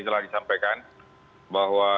telah disampaikan bahwa